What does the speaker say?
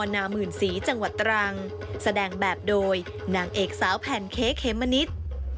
นามื่นสีจังหวัดตรังแบบโดยนางเอกสาวแผนเค้เคมณิต